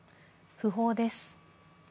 訃報です。